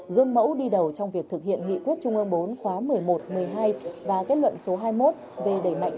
gương mẫu đi đầu trong việc thực hiện nghị quyết trung ương bốn khóa một mươi một một mươi hai và kết luận số hai mươi một về đẩy mạnh